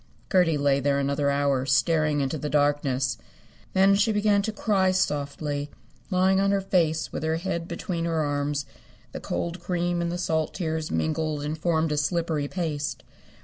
Gertie lay there another hour, staring into the darkness. Then she began to cry softly, lying on her face with her head between her arms. The cold cream and the salt tears mingled and formed a slippery paste.